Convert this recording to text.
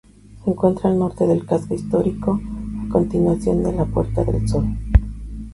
Se encuentra al norte del casco histórico, a continuación de la Puerta del Sol.